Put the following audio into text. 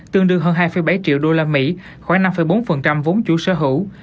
tương đương hơn hai bảy triệu usd khoảng năm bốn vốn chủ sở hữu